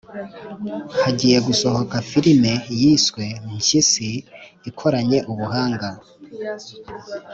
Hagiye gusohoka Filime yiswe 'Mpyisi' ikoranye ubuhanga